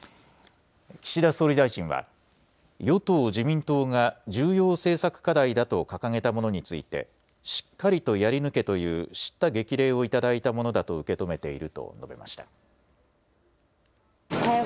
岸田総理大臣は与党、自民党が重要政策課題だと掲げたものについてしっかりとやり抜けというしった激励を頂いたものだと受け止めていると述べました。